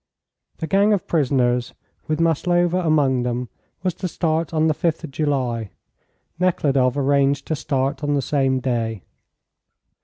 The gang of prisoners, with Maslova among them, was to start on the 5th July. Nekhludoff arranged to start on the same day.